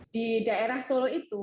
di daerah solo itu